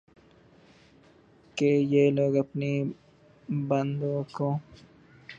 کو یہ لوگ اپنی بندوقوں